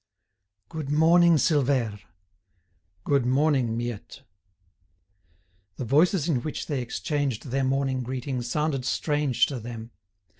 "Good morning, Silvère!" "Good morning, Miette!" The voices in which they exchanged their morning greetings sounded strange to them.